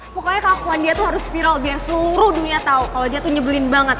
pokoknya keakuan dia tuh harus viral biar seluruh dunia tahu kalau dia tuh nyebelin banget